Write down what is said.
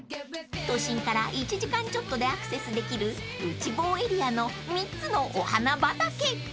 ［都心から１時間ちょっとでアクセスできる内房エリアの３つのお花畑］